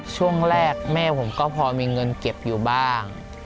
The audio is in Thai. ช่วงแรกแม่ผมก็พอมีเงินเก็บอยู่บ้าง